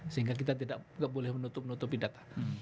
sehingga kita tidak boleh menutupi data